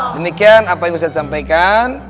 demikian apa yang ustadz sampaikan